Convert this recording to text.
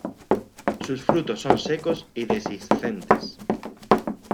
Sus frutos son secos y dehiscentes.